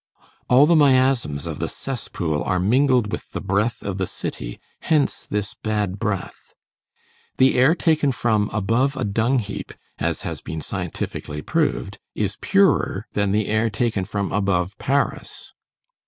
All the miasms of the cesspool are mingled with the breath of the city; hence this bad breath. The air taken from above a dung heap, as has been scientifically proved, is purer than the air taken from above Paris.